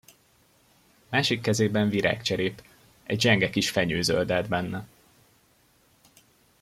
Másik kezében virágcserép: egy zsenge kis fenyő zöldellt benne.